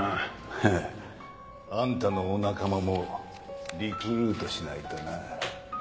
ええ。あんたのお仲間もリクルートしないとな。